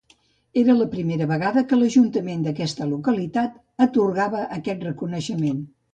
Era la primera vegada que l'ajuntament d'aquesta localitat atorgava aquest reconeixement.